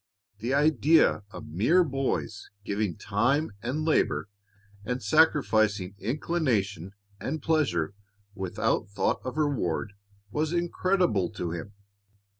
The idea of mere boys giving time and labor and sacrificing inclination and pleasure without thought of reward was incredible to him.